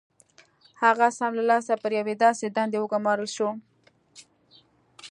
هغه سم له لاسه پر یوې داسې دندې وګومارل شو